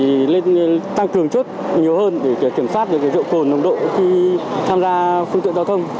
thì lên tăng cường chất nhiều hơn để kiểm soát được rượu cồn nồng độ khi tham gia phương tiện giao thông